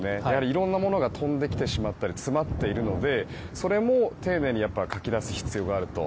色んなものが飛んできてしまったり詰まっているので、それも丁寧にかき出す必要があると。